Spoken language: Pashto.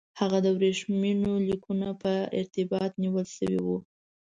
هغه د ورېښمینو لیکونو په ارتباط نیول شوی وو.